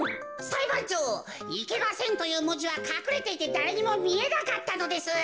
さいばんちょう「いけません」というもじはかくれていてだれにもみえなかったのです。